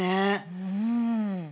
うん。